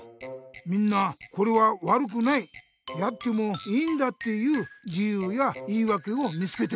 みんな「これは悪くない」「やってもいいんだ」っていう理ゆうや言いわけを見つけてるんだな。